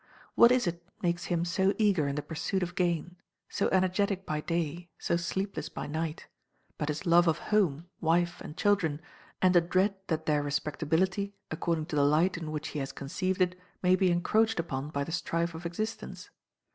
What is it makes him so eager in the pursuit of gain so energetic by day, so sleepless by night but his love of home, wife, and children, and a dread that their respectability, according to the light in which he has conceived it, may be encroached upon by the strife of existence?